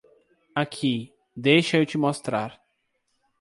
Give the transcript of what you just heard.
Aqui, deixa eu te mostrar.